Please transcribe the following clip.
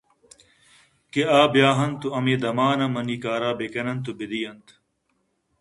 کہ آ بیا اَنتءُ ہمے دمانءَمنی کارءَ بِہ کنتءُ بہ دئینت